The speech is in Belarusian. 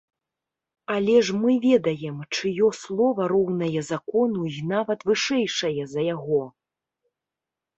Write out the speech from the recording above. Але ж мы ведаем, чыё слова роўнае закону і нават вышэйшае за яго.